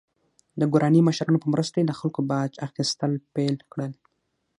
د ګوراني مشرانو په مرسته یې له خلکو باج اخیستل پیل کړل.